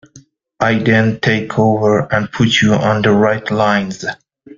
I then take over and put you on the right lines.